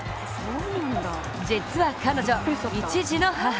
実は彼女、１児の母。